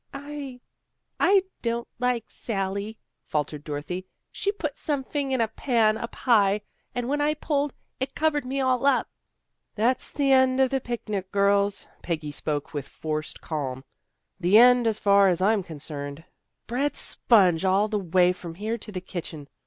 " I I don't like Sally," faltered Dorothy. " She put somefing in a pan, up high. And when I pulled, it covered me all up." " That's the end of the picnic, girls." Peggy spoke with forced calm. " The end, as far as I'm concerned. Bread sponge all the way from here to the kitchen.